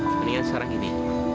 mendingan sekarang ini